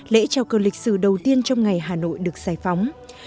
lễ trao cơ lịch sử đầu tiên trong ngày hà nội được giải phóng